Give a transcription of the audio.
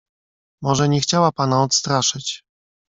"Może nie chciała pana odstraszyć."